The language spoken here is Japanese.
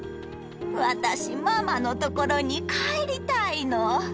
私、ママの所に帰りたいの。